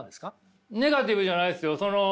ネガティブじゃないですよ。